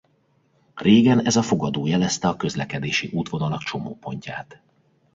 Régen ez a fogadó jelezte a közlekedési útvonalak csomópontját.